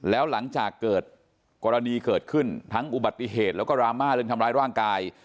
แล้วหลังจากเกิดกรณีเกิดขึ้นทั้งอุบัติเหตุแล้วก็ดราม่าเรื่องทำร้ายร่างกาย